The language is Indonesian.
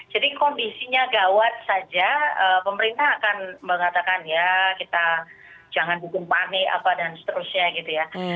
jadi kondisinya gawat saja pemerintah akan mengatakan ya kita jangan digumpani apa dan seterusnya gitu ya